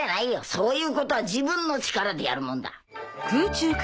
そういうことは自分の力でやるもんだ。